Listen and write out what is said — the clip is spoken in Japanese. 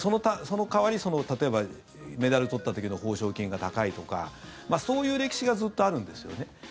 その代わり、例えばメダルを取った時の報奨金が高いとかそういう歴史がずっとあるんですよね。